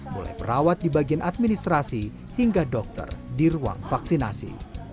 mulai perawat di bagian administrasi hingga dokter di ruang vaksinasi